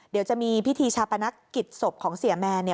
เดี๋ยวจะมีพิธีชาปนักกิจศพของเสียแมน